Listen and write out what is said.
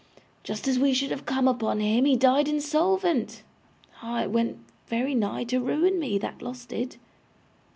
Just as we should have come upon him, he died insolvent. Ah! it went very nigh to ruin me, that loss did!